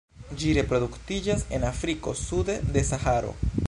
Ĝi reproduktiĝas en Afriko sude de Saharo.